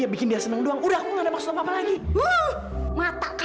bener bener gak sengaja